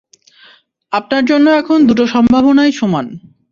আপনার জন্য এখন দুটো সম্ভাবনাই সমান।